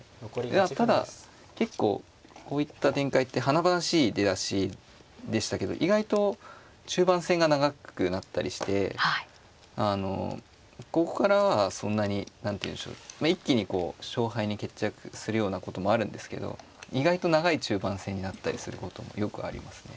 いやただ結構こういった展開って華々しい出だしでしたけど意外と中盤戦が長くなったりしてあのここからはそんなに何ていうんでしょう一気にこう勝敗に決着するようなこともあるんですけど意外と長い中盤戦になったりすることもよくありますね。